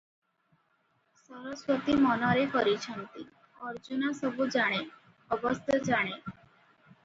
ସରସ୍ୱତୀ ମନରେ କରିଛନ୍ତି, ଅର୍ଜୁନା ସବୁ ଜାଣେ, ଅବଶ୍ୟ ଜାଣେ ।